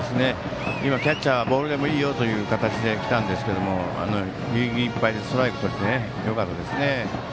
キャッチャーはボールでもいいよという形で来たんですがギリギリいっぱいでストライクがとれてよかったですね。